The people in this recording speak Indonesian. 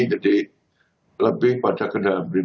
jadi lebih pada kedepannya